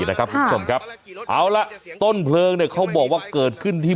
นะครับคุณผู้ชมครับเอาละต้นเพลิงเนี่ยเขาบอกว่าเกิดขึ้นที่